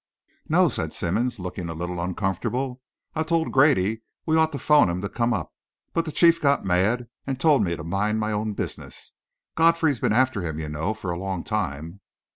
"No," said Simmonds, looking a little uncomfortable. "I told Grady we ought to 'phone him to come up, but the chief got mad and told me to mind my own business. Godfrey's been after him, you know, for a long time."